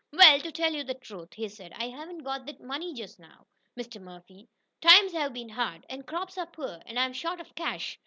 "Well, to tell you the truth," he said, "I haven't got that money just now, Mr. Murphy. Times have been hard, and crops are poor, and I'm short of cash.